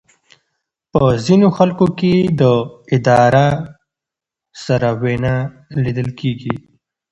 په ځینو خلکو کې د ادرار سره وینه لیدل کېږي.